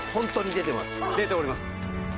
出ております